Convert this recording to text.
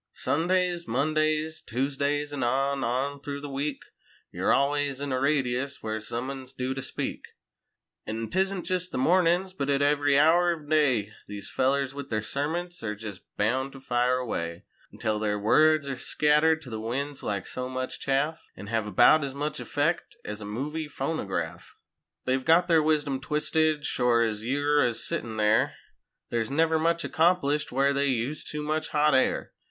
Sundays, Mondays, Tuesdays, an' on, on through the week, Yer always in a radius where some un's due to speak. An' 'tisn't jest the mornin's but at every hour ov day, These fellers with their sermonts air jest bound to fire away; Until their words air scattered to the winds like so much chaff An' hev about as much effect's a "movie" phonograf. They've got their wisdom twisted shore ez you're a sittin' there. There's never much accomplished where they use too much hot air.